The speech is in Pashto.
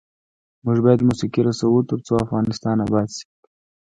موږ باید موسیقي رسوو ، ترڅو افغانستان اباد شي.